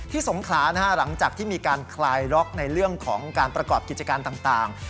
สงขลาหลังจากที่มีการคลายล็อกในเรื่องของการประกอบกิจการต่าง